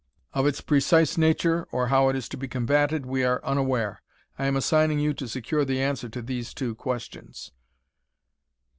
Of its precise nature, or how it is to be combatted, we are unaware. I am assigning you to secure the answer to these two questions.